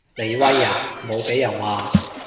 你威啊無被人話